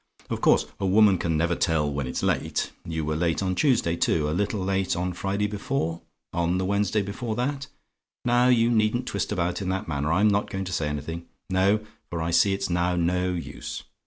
Of course, a woman can never tell when it's late. You were late on Tuesday, too; a little late on the Friday before; on the Wednesday before that now, you needn't twist about in that manner; I'm not going to say anything no; for I see it's now no use.